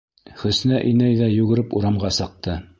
Хөснә инәй ҙә йүгереп урамға сыҡты.